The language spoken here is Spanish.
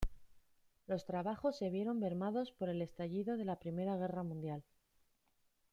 Los trabajos se vieron mermados por el estallido de la Primera Guerra Mundial.